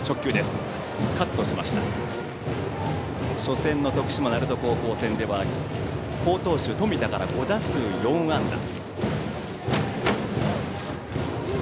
初戦の徳島・鳴門戦では好投手、冨田から５打数４安打。